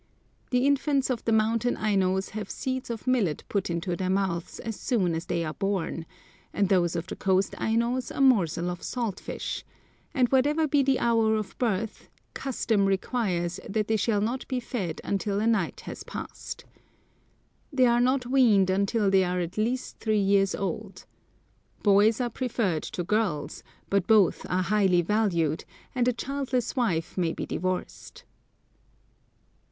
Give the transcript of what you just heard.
The infants of the mountain Ainos have seeds of millet put into their mouths as soon as they are born, and those of the coast Ainos a morsel of salt fish; and whatever be the hour of birth, "custom" requires that they shall not be fed until a night has passed. They are not weaned until they are at least three years old. Boys are preferred to girls, but both are highly valued, and a childless wife may be divorced.